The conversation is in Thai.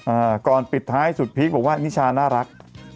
อ่าก่อนปิดท้ายสุดพลิกนะครับบอกว่านี่ชาวน่ารัก